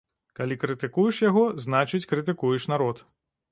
Калі крытыкуеш яго, значыць, крытыкуеш народ.